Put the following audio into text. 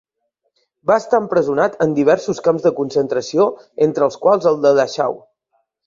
Va estar empresonat en diversos camps de concentració, entre els quals el de Dachau.